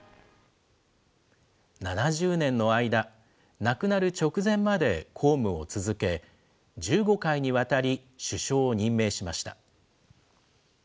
７０年の間、亡くなる直前まで公務を続け、１５回にわたり、首相を任命しました。